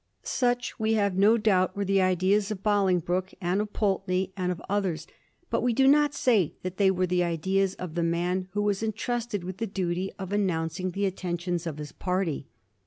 Such, we have no doubt, were the ideas of Bolingbroke and of Pulteney and of others ; but we do not say that they were the ideas of the man who was intrusted with the duty of announcing the intentions of his party.